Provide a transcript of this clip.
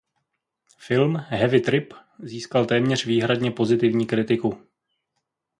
Film "Heavy Trip" získal téměř výhradně pozitivní kritiku.